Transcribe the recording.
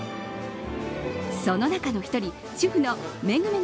その中の１人、主婦のめぐめぐ。